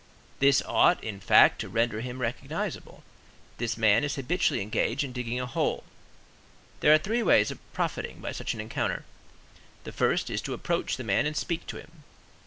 This ought, in fact, to render him recognizable. This man is habitually engaged in digging a hole. There are three ways of profiting by such an encounter. The first is to approach the man and speak to him.